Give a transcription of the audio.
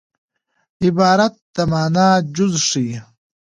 عبارت د مانا جز ښيي.